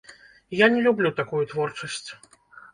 Я не люблю такую творчасць.